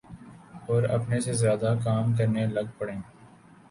اوراپنے سے زیادہ کام کرنے لگ پڑیں۔